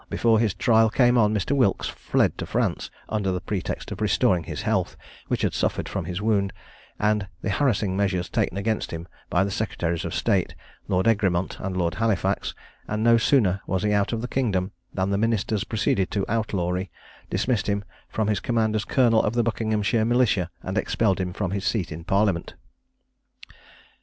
Before his trial came on, Mr. Wilkes fled to France, under the pretext of restoring his health, which had suffered from his wound, and the harassing measures taken against him by the secretaries of state, Lord Egremont and Lord Halifax; and no sooner was he out of the kingdom, than the ministers proceeded to outlawry, dismissed him from his command as colonel of the Buckinghamshire militia, and expelled him from his seat in parliament.